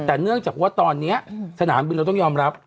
แต่เนื่องจากว่าตอนนี้สนามบินเราต้องยอมรับ